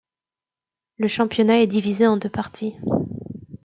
Le championnat est divisé en deux parties.